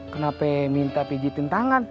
kenapa minta pijitin tangan